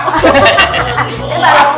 saya balik rumah